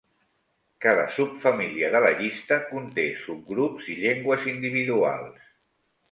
Cada subfamília de la llista conté subgrups i llengües individuals.